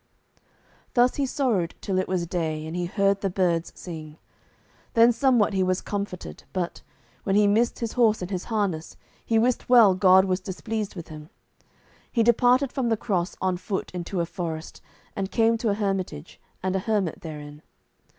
Thus he sorrowed till it was day, and he heard the birds sing. Then somewhat he was comforted, but, when he missed his horse and his harness, he wist well God was displeased with him. He departed from the cross on foot into a forest, and came to a hermitage, and a hermit therein.